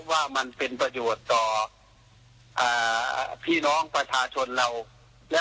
ว่ามันเป็นประโยชน์ต่อพี่น้องประชาชนเราและ